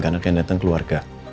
karena kayaknya datang keluarga